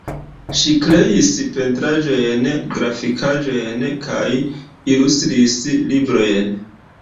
Ŝi kreis pentraĵojn, grafikaĵojn kaj ilustris librojn.